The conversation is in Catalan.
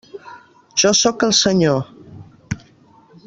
Jo sóc el Senyor.